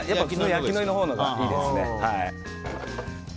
焼きのりのほうがいいですね。